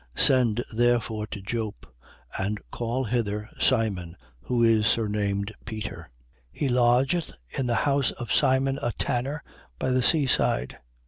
10:32. Send therefore to Joppe: and call hither Simon, who is surnamed Peter. He lodgeth in the house of Simon a tanner, by the sea side.